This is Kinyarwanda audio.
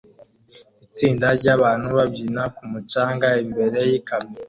itsinda ryabantu babyina ku mucanga imbere yikamyo